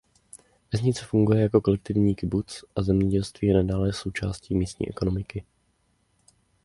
Vesnice funguje jako kolektivní kibuc a zemědělství je nadále součástí místní ekonomiky.